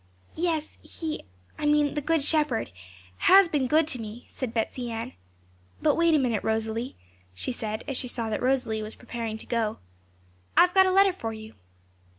'Yes, He I mean the Good Shepherd has been good to me,' said Betsey Ann. 'But wait a minute, Rosalie,' she said, as she saw that Rosalie was preparing to go. 'I've got a letter for you.'